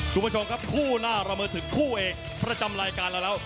ดูผู้ชมครับคู่หน้าระเมิดถึงคู่เอกประจำรายการแล้ว